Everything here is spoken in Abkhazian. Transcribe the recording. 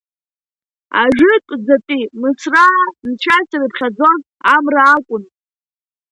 Ажәытәӡатәи мысраа нцәас ирыԥхьаӡоз амра акәын.